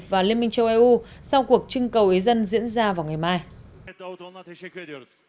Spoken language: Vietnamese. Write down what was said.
và liên minh châu eu sau cuộc trưng cầu ý dân diễn ra vào ngày mai